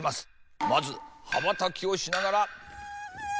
まずはばたきをしながら。